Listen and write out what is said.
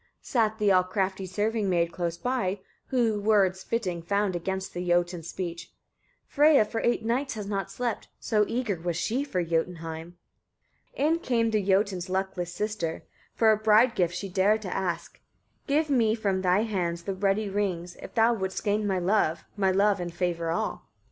29. Sat the all crafty serving maid close by, who words fitting found against the Jotun's speech: "Freyia for eight nights has not slept, so eager was she for Jotunheim." 30. In came the Jotun's luckless sister, for a bride gift she dared to ask: "Give me from thy hands the ruddy rings, if thou wouldst gain my love, my love and favour all."